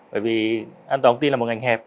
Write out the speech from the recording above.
bởi vì an toàn thông tin là một ngành hẹp